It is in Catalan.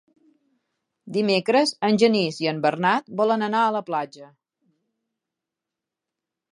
Dimecres en Genís i en Bernat volen anar a la platja.